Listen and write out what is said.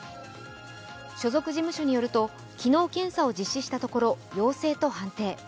所属事務所によると昨日、検査を実施したところ陽性と判定。